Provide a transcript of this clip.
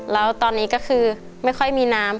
แล้วตอนนี้ก็คือไม่ค่อยมีน้ำ